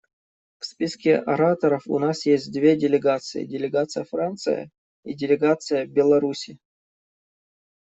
В списке ораторов у нас есть две делегации: делегация Франции и делегация Беларуси.